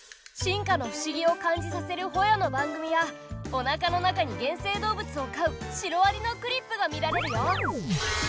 進化の不思議を感じさせるホヤの番組やおなかの中に原生動物を飼うシロアリのクリップが見られるよ！